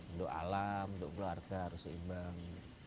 untuk alam untuk keluarga harus seimbang